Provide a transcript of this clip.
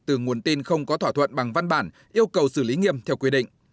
từ nguồn tin không có thỏa thuận bằng văn bản yêu cầu xử lý nghiêm theo quy định